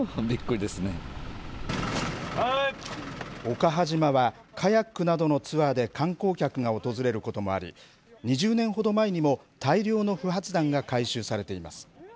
岡波島はカヤックなどのツアーで観光客が訪れることもあり２０年ほど前にも大量の不発弾が回収されています。